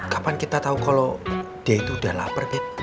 kapan kita tau kalo dia itu udah lapar